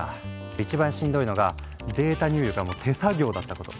いちばんしんどいのがデータ入力が手作業だったこと。